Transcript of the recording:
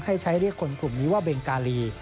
ให้ใช้เรียกคนกลุ่มนี้ว่าเบงกาลี